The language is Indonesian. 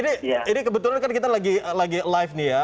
mik ini kebetulan kan kita lagi live nih